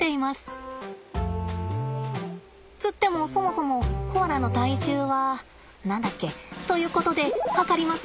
つってもそもそもコアラの体重は何だっけ？ということで量ります。